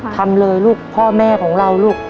ทำเลยลูกพ่อแม่ของเราลูก